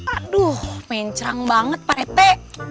aduh mencerang banget pak rete